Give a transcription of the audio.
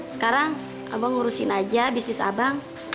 sekarang abang ngurusin aja bisnis abang